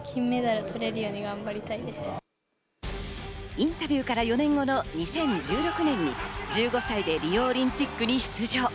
インタビューから４年後の２０１６年に、１５歳でリオオリンピックに出場。